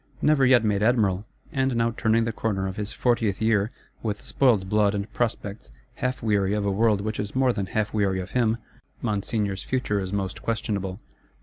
Never yet made Admiral, and now turning the corner of his fortieth year, with spoiled blood and prospects; half weary of a world which is more than half weary of him, Monseigneur's future is most questionable.